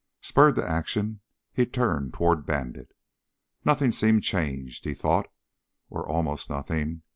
Spurred to action, he turned toward Bandit. Nothing seemed changed, he thought, or almost nothing.